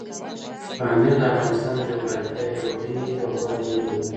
پامیر د افغانستان د جغرافیې یوه ډېره غوره بېلګه ده.